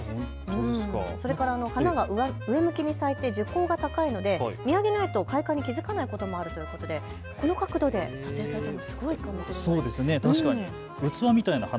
それから花が上向きに咲いて見上げないと開花に気付かないということもあるということでこの角度で撮影したのすごいかもしれない。